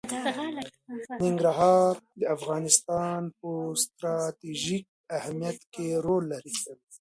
ننګرهار د افغانستان په ستراتیژیک اهمیت کې رول لري.